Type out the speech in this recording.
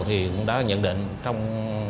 thì cũng đã nhận định